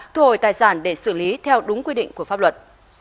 thu hồi tài sản để xử lý theo đúng quy định của pháp luật